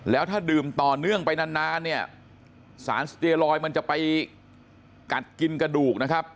แล้วถ้าดื่มต่อเนื่องไปนานเนี่ยสารสเตียลอยมันจะไปกัดกินกระดูกนะครับ